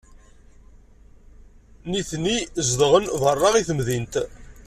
Nitni zedɣen beṛṛa i temdint.